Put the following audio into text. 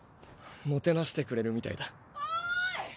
もてなしてくれるみたいだ。